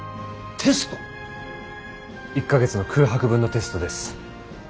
１か月の空白分のテストです。